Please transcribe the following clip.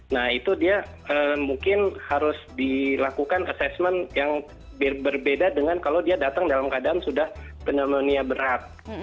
nah itu dia mungkin harus dilakukan assessment yang berbeda dengan kalau dia datang dalam keadaan sudah pneumonia berat